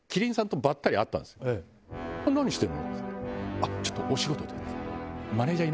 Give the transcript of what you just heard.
あっちょっとお仕事で。